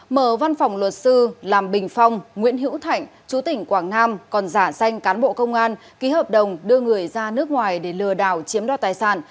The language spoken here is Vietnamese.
mở văn phòng luật sư làm bình phong nguyễn hữu thạnh chú tỉnh quảng nam còn giả danh cán bộ công an ký hợp đồng đưa người ra nước ngoài để lừa đảo chiếm đoạt tài sản